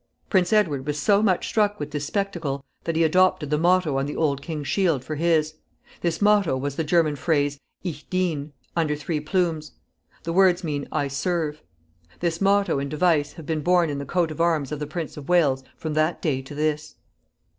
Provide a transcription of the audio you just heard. Prince Edward was so much struck with this spectacle, that he adopted the motto on the old king's shield for his. This motto was the German phrase Ich dien, under three plumes. The words mean I serve. This motto and device have been borne in the coat of arms of the Prince of Wales from that day to this.